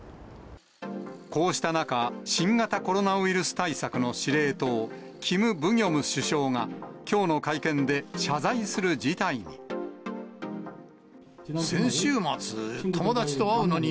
こうした中、新型コロナウイルス対策の司令塔、キム・ブギョム首相がきょうの会見で謝罪する事態に。